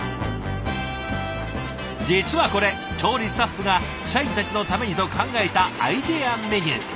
実はこれ調理スタッフが社員たちのためにと考えたアイデアメニュー。